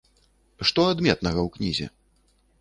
Што адметнага ў кнізе?